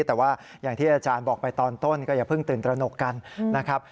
แต่ว่าอย่างที่อาจารย์บอกไปตอนต้นก็อย่าเพิ่งตื่นตระหนกกันนะครับ